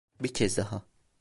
Bir kez daha.